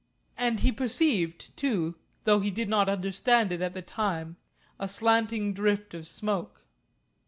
And he perceived, too, though he did not understand it at the time, a slanting drift of smoke.